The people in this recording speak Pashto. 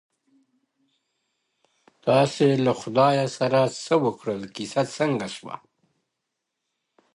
• تاسي له خدایه سره څه وکړل کیسه څنګه سوه،